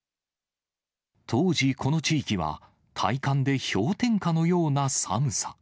当時この地域は、体感で氷点下のような寒さ。